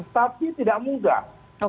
tapi tidak mudah